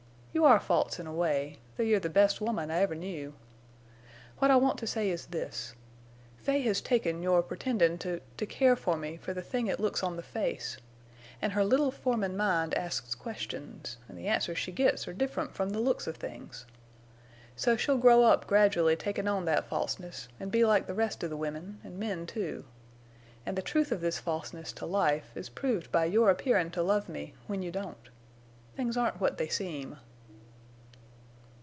You are false in a way, though you're the best woman I ever knew. What I want to say is this. Fay has taken you're pretendin' to—to care for me for the thing it looks on the face. An' her little formin' mind asks questions. An' the answers she gets are different from the looks of things. So she'll grow up gradually takin' on that falseness, an' be like the rest of the women, an' men, too. An' the truth of this falseness to life is proved by your appearin' to love me when you don't. Things aren't what they seem."